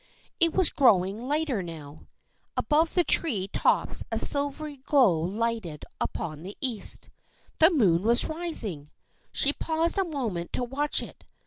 It was growing lighter now. Above the tree tops a silvery glow lighted up the east. The moon was rising ! She paused a moment to watch it.